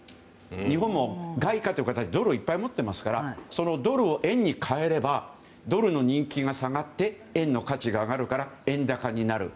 日本も外貨という形でドルをいっぱい持っていますからそのドルを円に換えればドルの人気が下がって円の価値が上がるから円高になる。